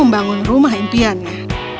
dia membangun rumah impiannya